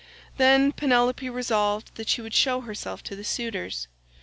Then Penelope resolved that she would show herself to the suitors.